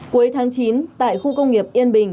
cuối tháng chín tại khu công nghiệp yên bình